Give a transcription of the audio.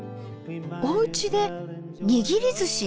おうちでにぎりずし？